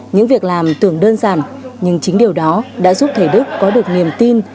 những việc làm tưởng đơn giản nhưng chính điều đó đã giúp thầy đức có được niềm tin